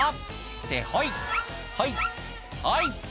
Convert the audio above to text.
「ってほいほいほい」